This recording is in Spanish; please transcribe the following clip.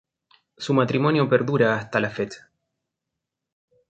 Su matrimonio perdura hasta la fecha.